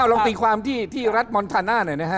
ลองตีความที่รัฐมอนทาน่าหน่อยนะฮะ